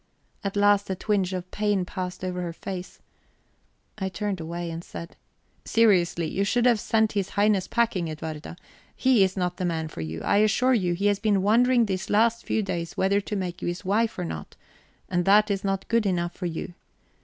At last a twinge of pain passed over her face; I turned away and said: "Seriously, you should send His Highness packing, Edwarda. He is not the man for you. I assure you, he has been wondering these last few days whether to make you his wife or not and that is not good enough for you."